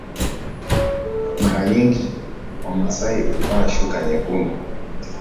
mara nyingi wamasai huvaa shuka nyekundu